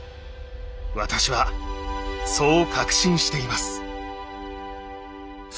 私はそう確信しています。